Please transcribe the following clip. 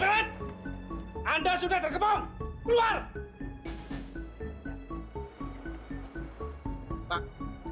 aku harus memberitahu tony banget